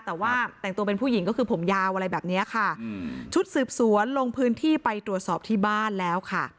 แต่ว่าแต่งตัวเป็นผู้หญิงก็คือผมยาวอะไรแบบเนี้ยค่ะอืมชุดสืบสวนลงพื้นที่ไปตรวจสอบที่บ้านแล้วค่ะ